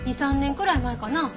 ２３年くらい前かな？